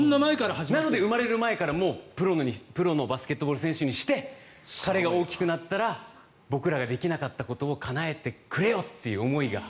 なので生まれる前からプロのバスケットボール選手にして彼が大きくなったら僕らができなかったことをかなえてくれよという思いが。